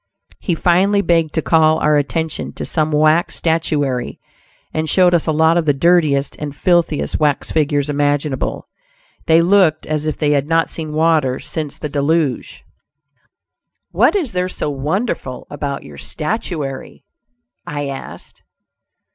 He finally begged to call our attention to some wax statuary, and showed us a lot of the dirtiest and filthiest wax figures imaginable. They looked as if they had not seen water since the Deluge. "What is there so wonderful about your statuary?" I asked.